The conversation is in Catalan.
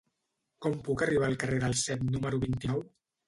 Com puc arribar al carrer del Cep número vint-i-nou?